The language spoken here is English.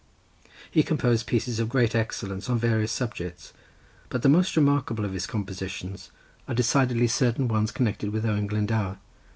He composed pieces of great excellence on various subjects; but the most remarkable of his compositions are decidedly certain ones connected with Owen Glendower.